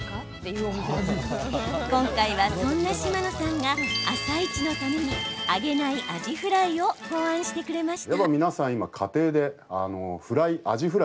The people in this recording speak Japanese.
今回は、そんな嶌野さんが「あさイチ」のために揚げないアジフライを考案してくれました。